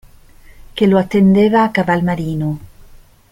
Che lo attendeva a Caval Marino.